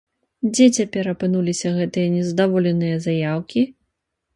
Дзе цяпер апынуліся гэтыя незадаволеныя заяўкі?